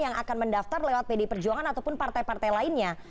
akan mendaftar lewat pdi perjuangan ataupun partai partai lainnya